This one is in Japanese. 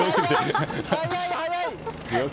速い、速い！